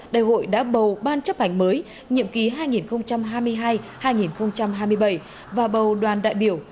đại hội đã bầu ban chấp hành mới nhiệm ký hai nghìn hai mươi hai hai nghìn hai mươi bảy và bầu đoàn đại biểu